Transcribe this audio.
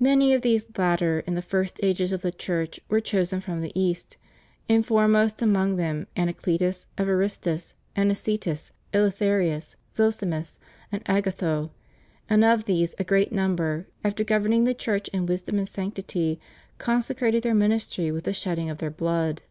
Many of these latter in the first ages of the Church were chosen from the East, and foremost among them Anacletus, Evaristus, Anicetus, Eleutherius, Zosimus, and Agatho; and of these a great number, after governing the Church in wisdom and sanctity, consecrated their min istry with the shedding of their blood.